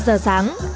năm giờ sáng